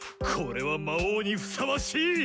これは魔王にふさわしい！